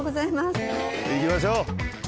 行きましょう。